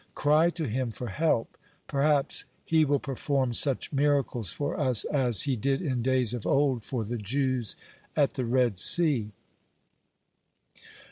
Cry to Him for help. Perhaps He will perform such miracles for us as He did in days of old for the Jews at the Red Sea."